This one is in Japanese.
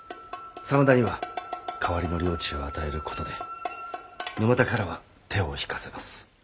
真田には代わりの領地を与えることで沼田からは手を引かせます。